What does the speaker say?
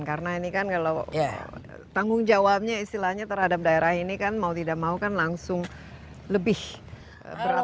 karena ini kan kalau tanggung jawabnya istilahnya terhadap daerah ini kan mau tidak mau kan langsung lebih berat lagi